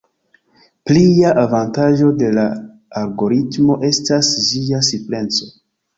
Plia avantaĝo de la algoritmo estas ĝia simpleco.